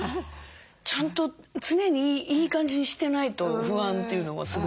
ちゃんと常にいい感じにしてないと不安というのはすごい。